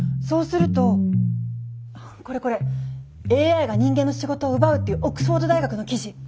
そうするとこれこれ！「ＡＩが人間の仕事を奪う⁉」っていうオックスフォード大学の記事！